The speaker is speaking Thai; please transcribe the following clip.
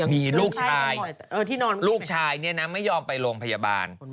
มีลูกชายลูกชายเนี่ยนะไม่ยอมไปโรงพยาบาล